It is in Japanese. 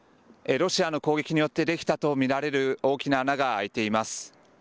ロシアの攻撃によって出来たと見られる大きな穴が開いています。